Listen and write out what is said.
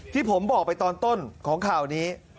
ที่ผมบอกไปตอนต้นของข่าวนี้